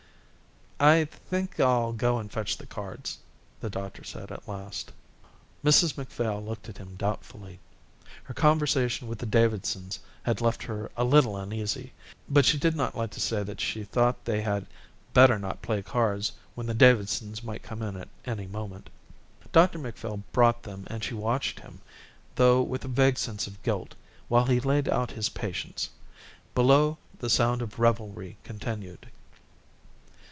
"I think I'll go and fetch the cards," the doctor said at last. Mrs Macphail looked at him doubtfully. Her conversation with the Davidsons had left her a little uneasy, but she did not like to say that she thought they had better not play cards when the Davidsons might come in at any moment. Dr Macphail brought them and she watched him, though with a vague sense of guilt, while he laid out his patience. Below the sound of revelry continued.